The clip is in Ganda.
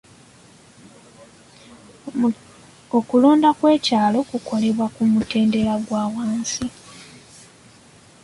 Okulonda kw'ekyalo kukolebwa ku mutendera gwa wansi.